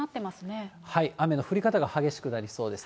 雨の降り方が激しくなりそうです。